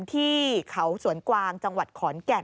ที่เขาสวนกวางจังหวัดขอนแก่น